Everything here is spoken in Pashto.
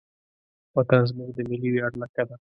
وطن زموږ د ملي ویاړ نښه ده.